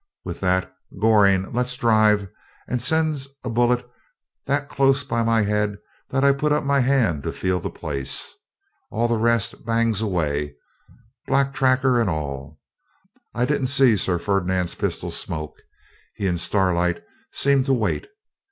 With that, Goring lets drive and sends a bullet that close by my head I put my hand up to feel the place. All the rest bangs away, black tracker and all. I didn't see Sir Ferdinand's pistol smoke. He and Starlight seemed to wait.